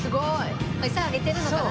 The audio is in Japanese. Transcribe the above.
エサあげてるのかな？